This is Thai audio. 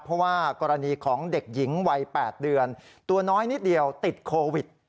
เพราะว่ากรณีของเด็กหญิงวัย๘เดือนตัวน้อยนิดเดียวติดโควิด